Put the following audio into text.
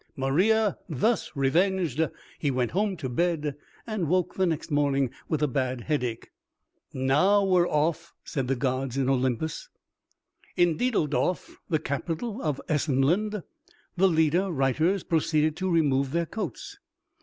Maria thus revenged, he went home to bed, and woke next morning with a bad headache. ("Now we're off," said the gods in Olympus.) In Diedeldorf, the capital of Essenland, the leader writers proceeded to remove their coats.